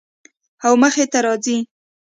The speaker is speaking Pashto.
او مخې ته راځي